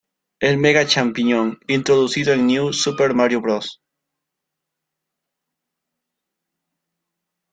El Mega champiñón, introducido en New Super Mario Bros.